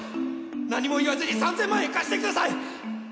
何も言わずに３千万円貸してください！